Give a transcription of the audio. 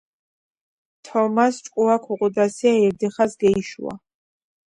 თომას ჭკუა ქუღუდასია ირდიხას გეიშუა